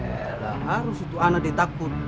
elah harus itu anak ditakut